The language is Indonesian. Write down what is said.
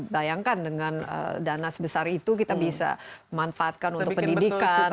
bayangkan dengan dana sebesar itu kita bisa manfaatkan untuk pendidikan